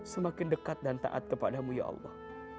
semakin dekat dan taat kepadamu ya allah